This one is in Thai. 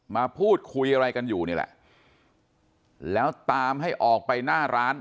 มาพูดคุยอะไรกันอยู่นี่แหละแล้วตามให้ออกไปหน้าร้าน